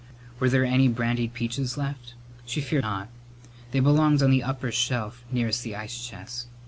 Were there any brandied peaches left? She feared not. They belonged on the upper shelf nearest the ice chest.